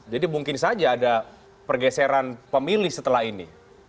mungkin saja ada pergeseran pemilih setelah ini